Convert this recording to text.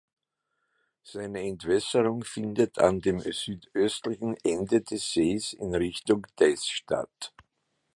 Seine Entwässerung findet an dem südöstlichen Ende des Sees in Richtung des statt.